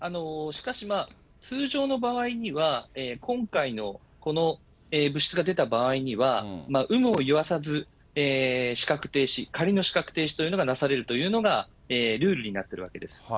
しかし通常の場合には、今回のこの物質が出た場合には、有無を言わさず資格停止、仮の資格停止というのがなされるというのがルールになっているわけです。